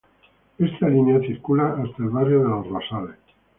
Esta línea circula hasta el Barrio de los Rosales.